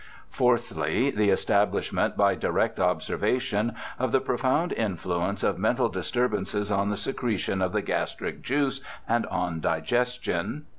Fourthly, the establishment by direct observation of the profound influence of mental disturbances on the secretion of the gastric juice and on digestion.